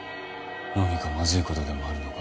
何かまずいことでもあるのか？